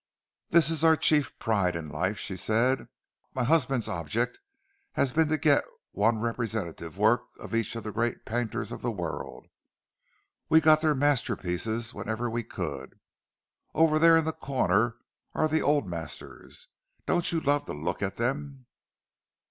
"This is our chief pride in life," she said. "My husband's object has been to get one representative work of each of the great painters of the world. We got their masterpiece whenever we could. Over there in the corner are the old masters—don't you love to look at them?"